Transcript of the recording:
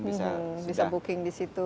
bisa booking di situ